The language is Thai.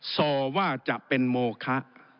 ซอว่าจะเป็นโมคะ